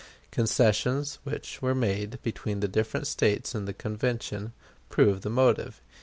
Concessions which were made between the different States in the Convention prove the motive.